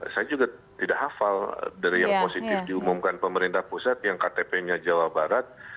saya juga tidak hafal dari yang positif diumumkan pemerintah pusat yang ktp nya jawa barat